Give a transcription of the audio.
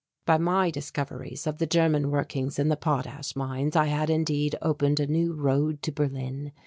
By my discoveries of the German workings in the potash mines I had indeed opened a new road to Berlin.